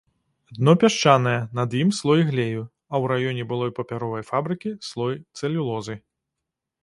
Дно пясчанае, над ім слой глею, а ў раёне былой папяровай фабрыкі слой цэлюлозы.